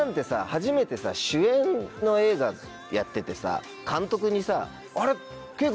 初めて主演の映画やっててさ監督にさ。